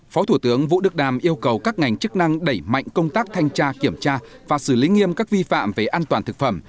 phó thủ tướng vũ đức đam yêu cầu các ngành chức năng đẩy mạnh công tác thanh tra kiểm tra và xử lý nghiêm các vi phạm về an toàn thực phẩm